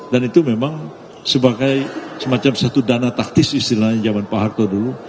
dan itu memang sebagai semacam satu dana taktis istilahnya zaman pak harto dulu